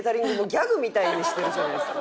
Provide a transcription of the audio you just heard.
ギャグみたいにしてるじゃないですか。